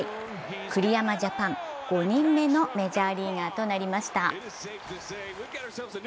栗山ジャパン５人目のメジャーリーガーとなりました。